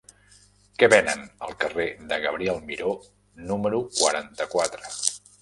Què venen al carrer de Gabriel Miró número quaranta-quatre?